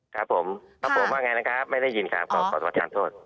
ครับผมครับผมว่าไงนะครับไม่ได้ยินครับขอประทานโทษ